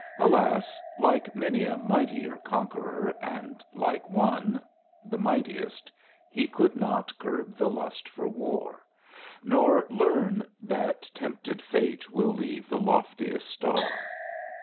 Alas; like many a mightier conqueror, and like one, the mightiest, he could not curb the lust for war, Nor learn that tempted Fate will leave the loftiest star.